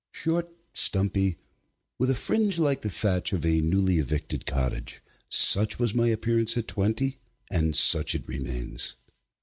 Short, stumpy, with a fringe like the thatch of a newly evicted cottage, such was my appearance at twenty, and such it remains.